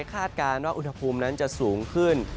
การว่าอุณหภูมินั้นจะสูงขึ้น